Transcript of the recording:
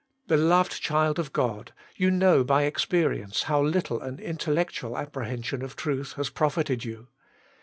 Beloved child of God ! you know by experience how little an intellectual apprehension of truth has profited you.